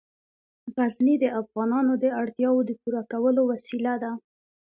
غزني د افغانانو د اړتیاوو د پوره کولو وسیله ده.